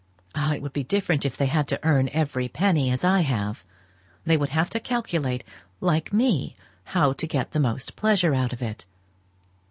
Ah! it would be different if they had to earn every penny as I have! They would have to calculate, like me, how to get the most pleasure out of it.